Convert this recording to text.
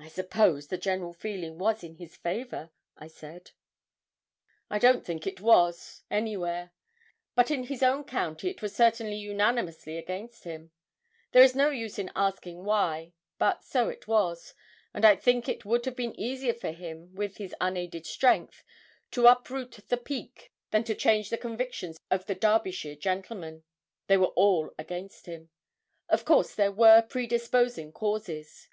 'I suppose the general feeling was in his favour?' I said. 'I don't think it was, anywhere; but in his own county it was certainly unanimously against him. There is no use in asking why; but so it was, and I think it would have been easier for him with his unaided strength to uproot the Peak than to change the convictions of the Derbyshire gentlemen. They were all against him. Of course there were predisposing causes.